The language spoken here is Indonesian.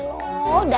bocah ngapasih ya